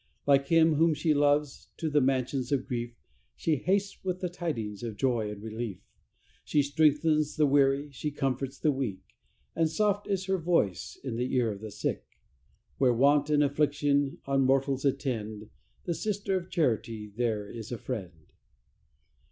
Like Him whom she loves, to the mansions of grief She hastes with the tidings of joy and relief. She strengthens the weary she comforts the weak, And soft is her voice in the ear of the sick; Where want and affliction on mortals attend The Sister of Charity there is a friend.